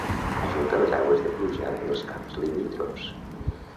Ajunta les aigües de pluja dels camps limítrofs.